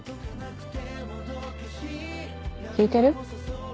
聞いてる？